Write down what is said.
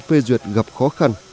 phê duyệt gặp khó khăn